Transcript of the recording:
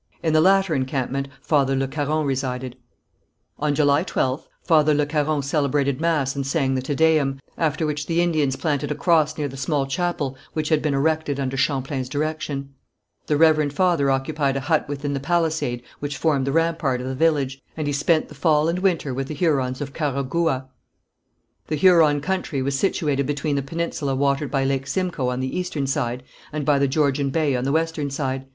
In the latter encampment Father Le Caron resided. [Illustration: Champlain on the shores of Georgian Bay, 1615 From the painting by Hummé] On July 12th Father Le Caron celebrated mass and sang the Te Deum, after which the Indians planted a cross near the small chapel which had been erected under Champlain's direction. The reverend father occupied a hut within the palisade which formed the rampart of the village, and he spent the fall and winter with the Hurons of Carhagouha. The Huron country was situated between the peninsula watered by Lake Simcoe on the eastern side, and by the Georgian Bay on the western side.